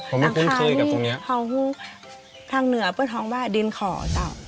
ผมไม่คุ้นคืนกับตรงเนี้ยหลังคาทางเหนือเพื่อท้องบ้านดินขอเจ้า